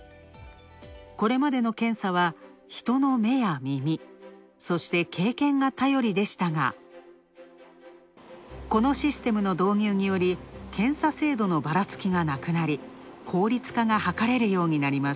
これまでの検査は、人の目や耳そして経験が頼りでしたがこのシステムの導入により、検査制度のばらつきがなくなり、効率化が図れるようになります。